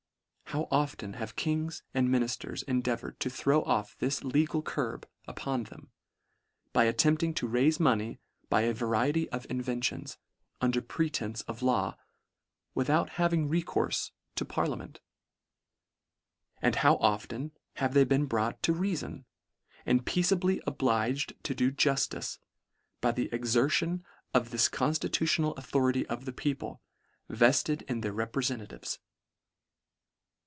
How often have Kings and miniflers endea voured to throw off this legal curb upon them, by attempting to raife money by a variety of inventions, under pretence of law, without having recourfe to parliament ? And how often have they been brought to reafon, and peaceably obliged to do juflice, by the exertion of this conftitutional authori ty of the people, vefled in their reprefenta tives